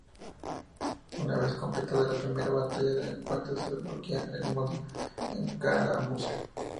Una vez completada la primera batalla de encuentro se desbloquea el modo escaramuza.